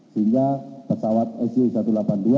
sehingga pesawat scu satu ratus delapan puluh dua